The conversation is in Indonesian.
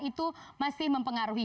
itu masih mempengaruhi